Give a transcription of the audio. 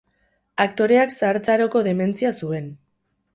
Aktoreak zahartzaroko dementzia zuen.